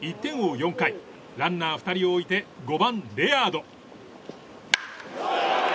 ４回ランナー２人を置いて５番、レアード。